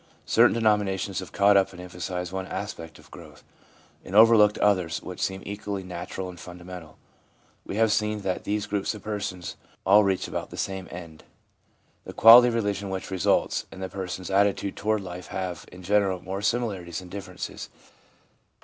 Certain denomi nations have caught up and emphasised one aspect of growth, and overlooked others which seem equally natural and fundamental. We have seen that these groups of persons all reach about the same end. The quality of religion which results, and the person's attitude toward life have, in general, more similarities than differences.